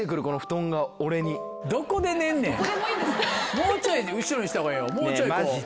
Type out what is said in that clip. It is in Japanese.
もうちょい後ろにしたほうがええ。